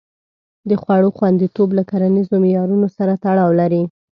د خوړو خوندیتوب له کرنیزو معیارونو سره تړاو لري.